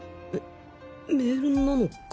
メメールなのか？